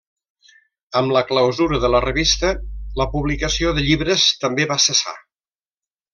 Amb la clausura de la revista, la publicació de llibres també va cessar.